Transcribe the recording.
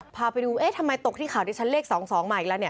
พาไปดูเอ๊ะทำไมตกที่ข่าวที่ฉันเลข๒๒มาอีกแล้วเนี่ย